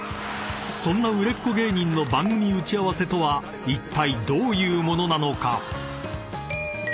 ［そんな売れっ子芸人の番組打ち合わせとはいったいどういうものなのか？］